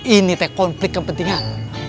ini teh konflik kepentingan